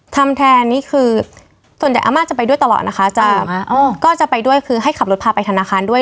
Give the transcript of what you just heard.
ทำแทนนี่คือส่วนใหญ่อาม่าจะไปด้วยตลอดนะคะจะก็จะไปด้วยคือให้ขับรถพาไปธนาคารด้วย